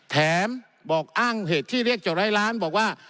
บอกอ้างเหตุที่เรียกจดร้อยล้านบอกว่า